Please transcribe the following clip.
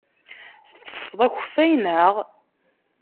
Tettessed akeffay, naɣ?